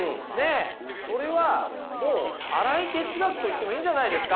それはもう新井哲学と言ってもいいんじゃないですか？